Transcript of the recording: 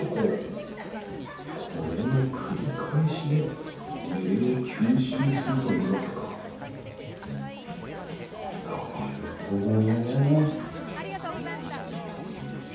これの繰り返しで揺れを吸収するというわけかなるほどね。